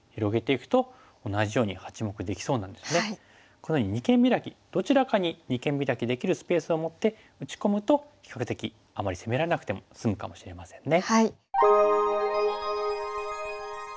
このように二間ビラキどちらかに二間ビラキできるスペースを持って打ち込むと比較的あまり攻められなくても済むかもしれませんね。